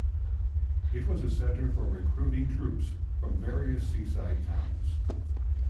It was a center for recruiting troops from various seaside towns.